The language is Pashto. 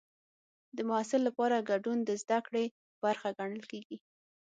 د محصل لپاره ګډون د زده کړې برخه ګڼل کېږي.